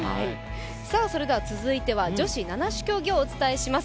続いては女子七種競技をお伝えします。